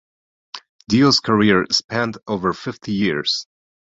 Dio's career spanned over fifty years.